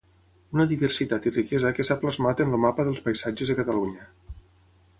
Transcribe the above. Una diversitat i riquesa que s’ha plasmat en el Mapa dels paisatges de Catalunya.